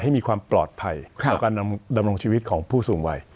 ให้มีความปลอดภัยต่อการดำรงชีวิตของผู้สูงวัย